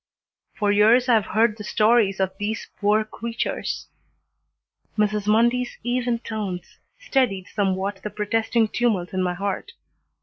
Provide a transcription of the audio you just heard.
"For years I've heard the stories of these poor creatures." Mrs. Mundy's even tones steadied somewhat the protesting tumult in my heart.